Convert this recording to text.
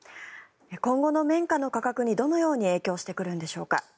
今後の綿花の価格にどのように影響してくるんでしょうか。